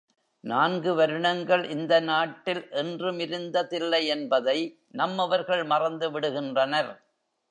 நான்கு வருணங்கள் இந்த நாட்டில் என்றுமிருந்ததில்லையென்பதை நம்மவர்கள் மறந்து விடுகின்றனர்.